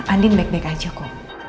andin baik baik aja kok